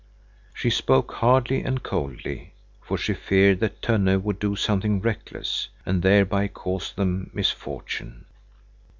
She spoke hardly and coldly, for she feared that Tönne would do something reckless, and thereby cause them misfortune.